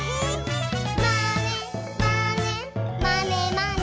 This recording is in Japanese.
「まねまねまねまね」